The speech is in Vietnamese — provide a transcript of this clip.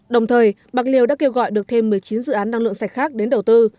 đồng thời bạc liêu đã kêu gọi được thêm một mươi chín dự án năng lượng sạch khác đến đầu tư